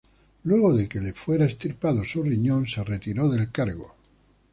Luego de que le fuera extirpado su riñón se retiró del cargo.